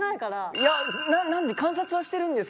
いや何で観察はしてるんですけど。